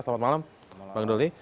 selamat malam bang doli